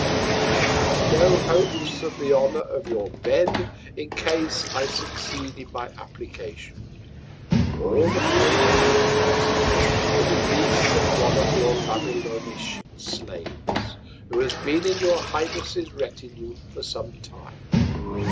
I can have no Hopes of the Honour of your Bed, in Case I succeed in my Application: All the Favour I request, is, the Release of one of your Babylonish Slaves, who has been in your Highness's Retinue for some Time.